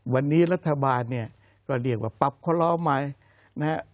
วันนี้รัฐบาลเนี่ยก็เรียกว่าปั๊บคล้อล้อไหม